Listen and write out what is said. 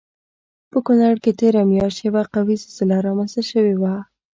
په کنړ کې تېره میاشت یوه قوي زلزله رامنځته شوی وه